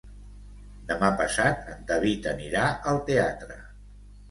Demà passat en David anirà al teatre.